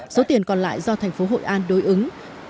số tiền còn lại do thành phố hội an đối ứng